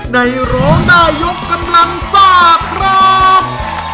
ในร้องหน้ายกกำลังซากคร้าบ